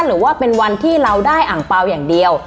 หรือว่าเป็นวันที่เราได้อ่างเปล่าอย่างเดียว